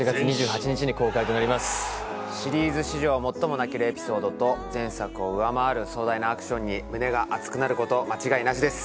シリーズ史上最も泣けるエピソードと前作を上回る壮大なアクションに胸が熱くなること間違いなしです。